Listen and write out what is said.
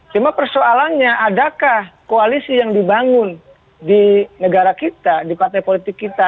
cuma persoalannya adakah koalisi yang dibangun di negara kita di partai politik kita